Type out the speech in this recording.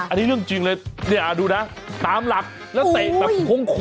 อันนี้เรื่องจริงเลยเนี่ยดูนะตามหลักแล้วเตะแบบโค้ง